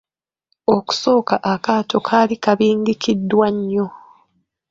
Okusooka akaato kaali kabigikiddwa nnyo.